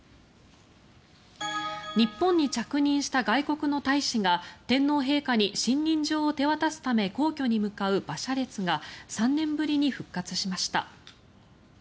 日本に着任した外国の大使が天皇陛下に信任状を手渡すため皇居に向かう馬車列が３年ぶりに復活しました。